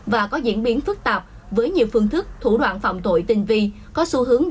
và có diễn biến phức tạp với nhiều phương thức thủ đoạn phạm tội tinh vi có xu hướng